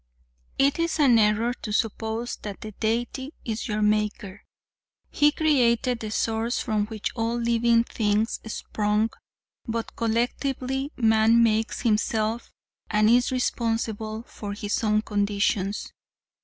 "It is an error to suppose that the Deity is your maker; He created the source from which all living things sprung, but collectively, man makes himself and is responsible for his own conditions.